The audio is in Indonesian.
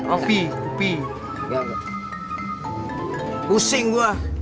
semua pemain perempuan gak ada yang pada dateng